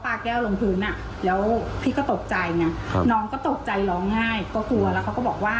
พาแก้วลงพื้นแล้วพี่ก็ตกใจน้องก็ตกใจร้องไงก็กลัวแล้วเขาก็บอกว่า